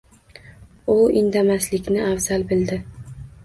U indamaslikni afzal bildi.